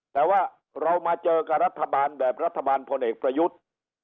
แต่ว่าเรามาเจอกับรัฐบาลแบบรัฐบาลพลเอกประยุทธ์